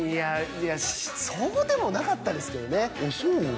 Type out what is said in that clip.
いやそうでもなかったですけどねあそう？